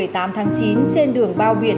một mươi tám tháng chín trên đường bao viện